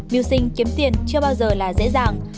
mưu sinh kiếm tiền chưa bao giờ là dễ dàng